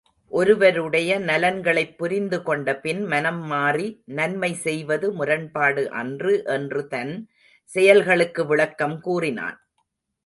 ஒருவருடைய நலன்களைப் புரிந்துகொண்டபின் மனம்மாறி நன்மை செய்வது முரண்பாடு அன்று என்று தன் செயல்களுக்கு விளக்கம் கூறினான்.